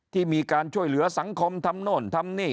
ที่มีการช่วยเหลือสังคมทำโน่นทำนี่